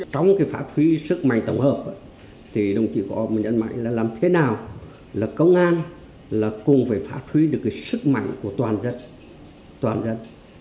trong phát huy sức mạnh tổng hợp đồng chí có nhấn mạnh là làm thế nào công an cùng phải phát huy được sức mạnh của toàn dân